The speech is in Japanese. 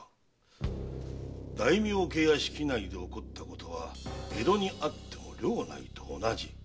大名家屋敷内で起こったことは江戸にあっても領内と同じ。